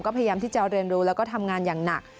ก็พยายามที่จะเรียนรู้แล้วก็ทำงานอย่างหนัก